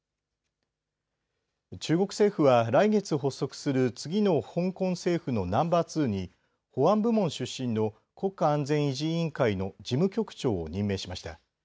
中国政府は来月発足する次の香港政府のナンバー２に保安部門出身の国家安全維持委員会の事務局長を任命しました。